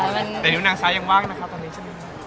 แต่นิ้วนางซ้ายยังว่างนะคะตอนนี้ใช่ไหมคะ